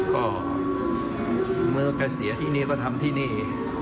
ก็เมื่อแกเสียที่นี่ก็ทำที่นี่